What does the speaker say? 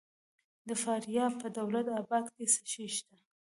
د فاریاب په دولت اباد کې څه شی شته؟